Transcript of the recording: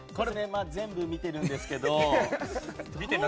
全部見てるんですけど。